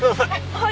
はい。